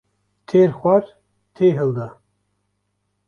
Têr xwar tê hilda